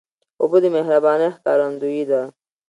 اوبه د مهربانۍ ښکارندویي ده.